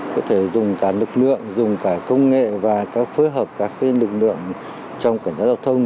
có thể dùng cả lực lượng dùng cả công nghệ và phối hợp các lực lượng trong cảnh sát giao thông